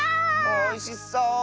おいしそう！